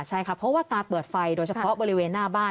ใช่ค่ะเพราะว่าการเปิดไฟโดยเฉพาะบริเวณหน้าบ้าน